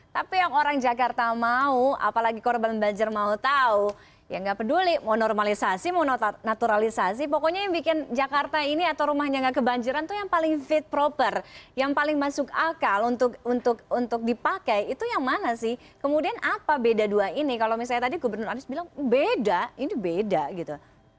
tapi yang orang jakarta mau apalagi korban banjir mau tahu ya nggak peduli mau normalisasi mau naturalisasi pokoknya yang bikin jakarta ini atau rumahnya nggak kebanjiran itu yang paling fit proper yang paling masuk akal untuk dipakai itu yang mana sih kemudian apa beda dua ini kalau misalnya tadi gubernur anies bilang beda ini beda gitu